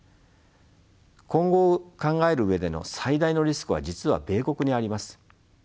今後を考える上での最大のリスクは実は米国にあります。